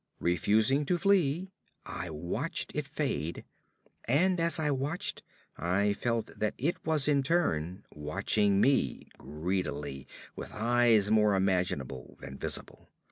Refusing to flee, I watched it fade and as I watched I felt that it was in turn watching me greedily with eyes more imaginable than visible.